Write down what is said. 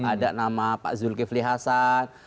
ada nama pak zulkifli hasan